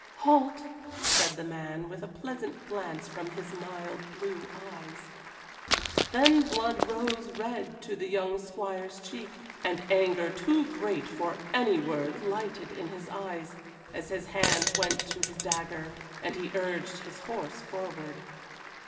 "Halt!" said the man, with a pleasant glance from his mild blue eyes. Then blood rose red to the young squire's cheek, and anger too great for any words lighted in his eyes, as his hand went to his dagger, and he urged his horse forward.